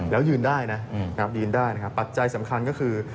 แล้วยืนได้นะปัจจัยสำคัญก็คือ